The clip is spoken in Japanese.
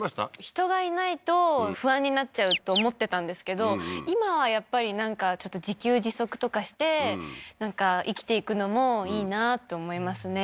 人がいないと不安になっちゃうと思ってたんですけど今はやっぱりなんかちょっと自給自足とかしてなんか生きていくのもいいなって思いますね